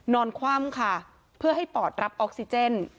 คว่ำค่ะเพื่อให้ปอดรับออกซิเจน